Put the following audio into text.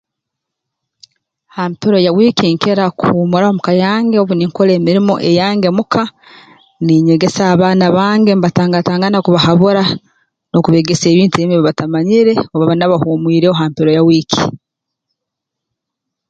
Ha mpero ya wiiki nkira kuhuumuraho mu ka yange obu ninkora emirimo eyange mu ka ninyegesa abaana bange mbatangatangana kubahabura n'okubeegesa ebintu ebimu ebi batamanyire obu baba nabo bahuumwireho ha mpero ya wiiki